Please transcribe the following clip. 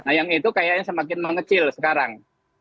nah yang itu kayaknya semakin mengecil sekarang